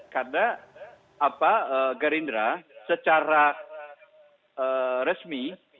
karena gerindra secara resmi